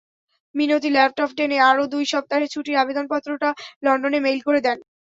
মিনতি laptop টেনে আরও দুই সপ্তাহের ছুটির আবেদনপত্রটা লন্ডনে মেইল করে দেন।